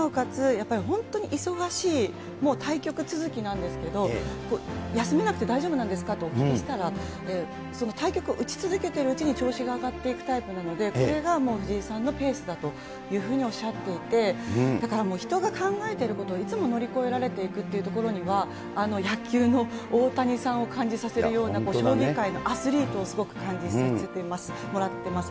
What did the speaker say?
やっぱり、本当に忙しい、もう対局続きなんですけど、休めなくて大丈夫なんですかとお聞きしたら、対局打ち続けているうちに調子が上がっていくタイプなので、これがもう藤井さんのペースだというふうにおっしゃっていて、だからもう、人が考えてることをいつも乗り越えられていくっていうところには、野球の大谷さんを感じさせるような、将棋界のアスリートをすごく感じさせてもらってます。